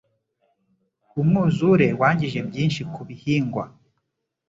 Umwuzure wangije byinshi ku bihingwa.